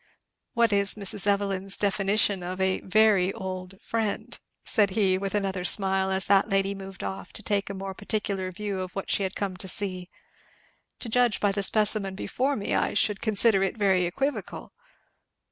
"What is Mrs. Evelyn's definition of a very old friend?" said he with with another smile, as that lady moved off to take a more particular view of what she had come to see. "To judge by the specimen before me I should consider it very equivocal."